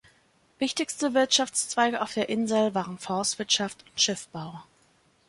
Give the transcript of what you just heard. Wichtigste Wirtschaftszweige auf der Insel waren Forstwirtschaft und Schiffbau.